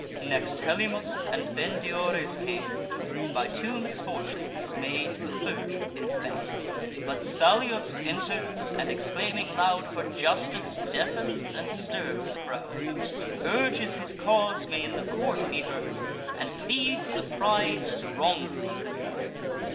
Next Helymus; and then Diores came, By two misfortunes made the third in fame. But Salius enters, and, exclaiming loud For justice, deafens and disturbs the crowd; Urges his cause may in the court be heard; And pleads the prize is wrongfully conferr'd.